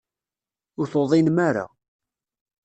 Ur tuḍinem ara.